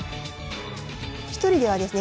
１人ではですね